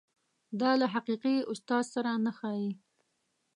دا له حقیقي استاد سره نه ښايي.